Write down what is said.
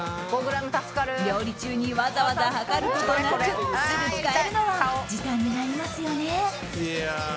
料理中にわざわざ計ることなくすぐ使えるのは時短になりますよね。